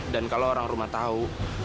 dan kalau orang rumah tahu